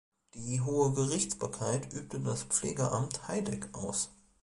Die hohe Gerichtsbarkeit übte das Pflegamt Heideck aus.